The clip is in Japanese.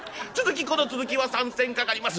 「この続きは３銭かかります」。